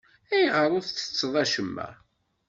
Ayɣer ur ttetteḍ acemma?